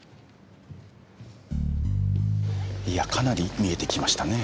いやかなり見えてきましたね。